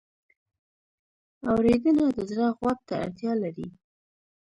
اورېدنه د زړه غوږ ته اړتیا لري.